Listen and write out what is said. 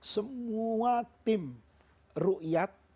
semua tim ruqyah